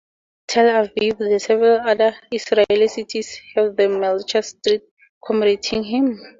Tel Aviv and several other Israeli cities have a Melchett Street commemorating him.